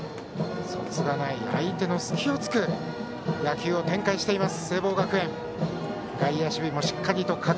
そつがない相手の隙を突く野球を展開しています、聖望学園。